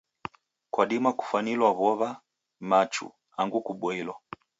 Kwadima kufwanilwa w'ow'a, machu, angu kuboilwa.